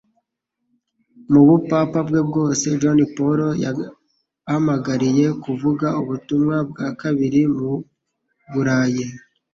Mubupapa bwe bwose, John Paul yahamagariye kuvuga ubutumwa bwa kabiri muburayi